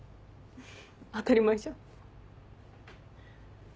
当たり前じゃん。